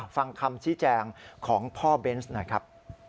ฟังคำชี้แจงของพ่อเบนส์หน่อยครับ